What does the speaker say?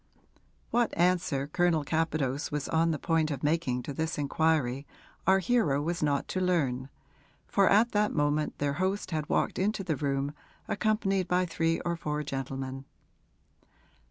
What answer Colonel Capadose was on the point of making to this inquiry our hero was not to learn, for at that moment their host had walked into the room accompanied by three or four gentlemen.